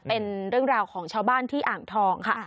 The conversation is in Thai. เป็นเรื่องราวของชาวบ้านที่อ่างทองค่ะ